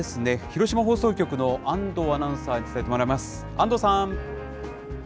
広島放送局の安藤アナウンサーに伝えてもらいます。